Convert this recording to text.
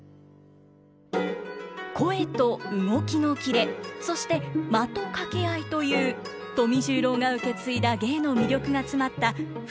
「声と動きのキレ」そして「間と掛け合い」という富十郎が受け継いだ芸の魅力が詰まった２つの演目をご覧ください。